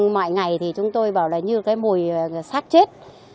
mọi ngày thì chúng tôi bảo là như cái mùi sát chết